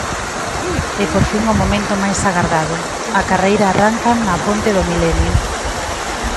E por fin o momento máis agardado: a carreira arranca na Ponte do Milenio.